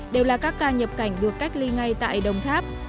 đều là các ca nhập cảnh được cách ly ngay tại đồng tháp